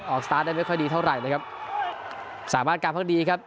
สตาร์ทได้ไม่ค่อยดีเท่าไหร่นะครับสามารถการพักดีครับ